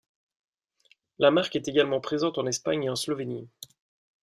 La marque est également présente en Espagne et en Slovénie.